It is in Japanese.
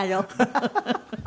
フフフフ。